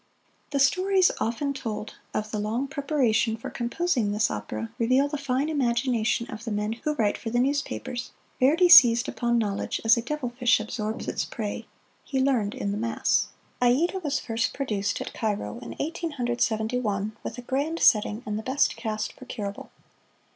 The stories often told of the long preparation for composing this opera reveal the fine imagination of the men who write for the newspapers. Verdi seized upon knowledge as a devilfish absorbs its prey he learned in the mass. "Aida" was first produced at Cairo in Eighteen Hundred Seventy one, with a grand setting and the best cast procurable.